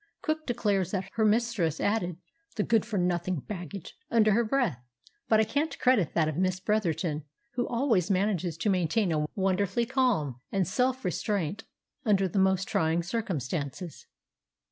Cook declares that her mistress added "the good for nothing baggage" under her breath; but I can't credit that of Miss Bretherton, who always manages to maintain a wonderful calm and self restraint under the most trying circumstances.